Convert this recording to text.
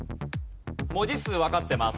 文字数わかってます。